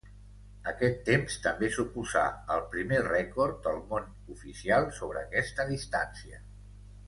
Aquest temps també suposà el primer rècord del món oficial sobre aquesta distància.